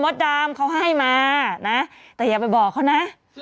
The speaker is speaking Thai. แต่อย่าไปบอกเขานะ